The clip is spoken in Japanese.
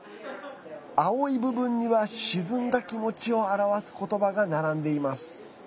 青い部分には沈んだ気持ちを表すことばが並んでいます。